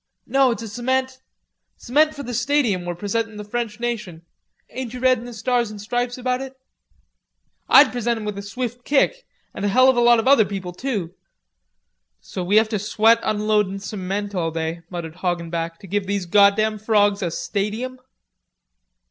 "No, it's a cement... cement for the stadium we're presentin' the French Nation. Ain't you read in the 'Stars and Stripes' about it?" "I'd present 'em with a swift kick, and a hell of a lot of other people, too." "So we have to sweat unloadin' cement all day," muttered Hoggenback, "to give these goddam frawgs a stadium."